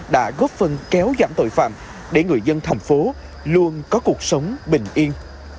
đã góp phần kéo giảm tội phạm để người dân thành phố luôn có cuộc sống bình yên